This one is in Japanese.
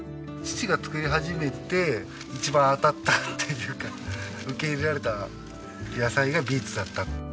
父が作り始めて一番当たったっていうか受け入れられた野菜がビーツだった。